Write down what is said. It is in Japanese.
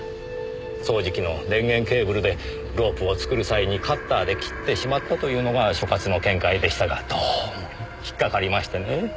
掃除機の電源ケーブルでロープを作る際にカッターで切ってしまったというのが所轄の見解でしたがどうも引っかかりましてねえ。